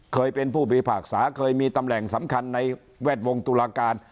เคยเป็นผู้พิพากษาเคยมีตำแหน่งสำคัญในแวดวงตุลาการ